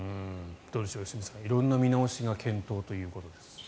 どうでしょう良純さん色んな見直しが検討ということで。